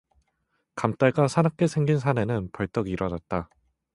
감때가 사납게 생긴 사내는 벌떡 일어났다.